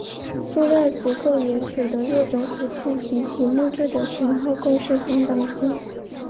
塑料结构也使得这种武器比起木制的型号更是相当轻。